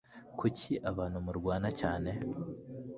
kuki abantu murwana cyane